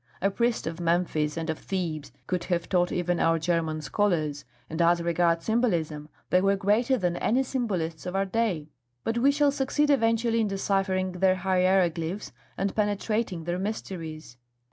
A priest of Memphis and of Thebes could have taught even our German scholars; and as regards symbolism, they were greater than any symbolists of our day. But we shall succeed eventually in deciphering their hieroglyphs and penetrating their mysteries.